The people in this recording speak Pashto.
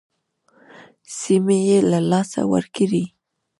سیمې یې له لاسه ورکړې.